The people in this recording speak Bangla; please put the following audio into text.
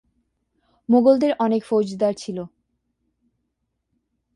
মোগলদের অনেক ফৌজদার ছিল।